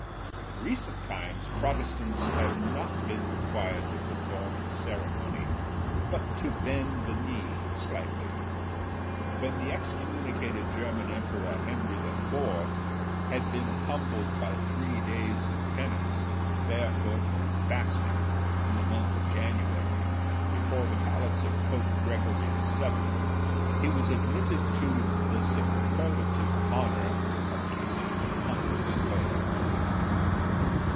In recent times Protestants have not been required to perform the ceremony, but to bend the knee slightly. When the excommunicated German emperor, Henry IV., had been humbled by three days of penance, barefoot, and fasting, in the month of January, before the palace of Pope Gregory VII., he was admitted to "the superlative honor" of kissing the pontiff's toe.